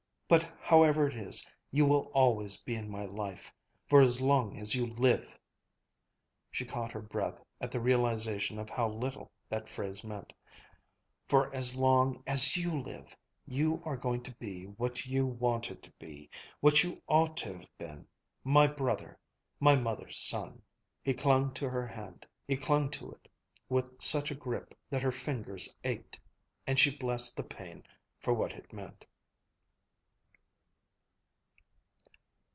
But however it is, you will always be in my life. For as long as you live," she caught her breath at the realization of how little that phrase meant, "for as long as you live, you are going to be what you wanted to be, what you ought to have been, my brother my mother's son." He clung to her hand, he clung to it with such a grip that her fingers ached and she blessed the pain for what it meant.